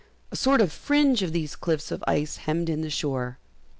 A sort of fringe of these cliffs of ice hemmed in the shore.